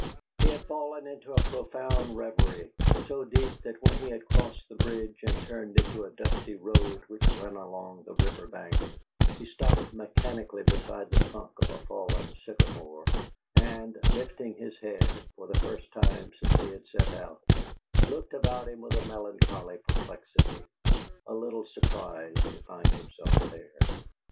He had fallen into a profound reverie, so deep that when he had crossed the bridge and turned into a dusty road which ran along the river bank, he stopped mechanically beside the trunk of a fallen sycamore, and, lifting his head, for the first time since he had set out, looked about him with a melancholy perplexity, a little surprised to find himself there.